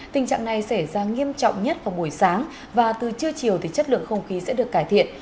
tình trạng này xảy ra nghiêm trọng nhất vào buổi sáng và từ trưa chiều thì chất lượng không khí sẽ được cải thiện